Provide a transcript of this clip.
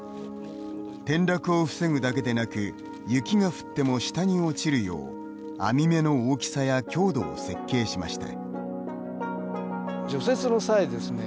転落を防ぐだけでなく雪が降っても下に落ちるよう編み目の大きさや強度を設計しました。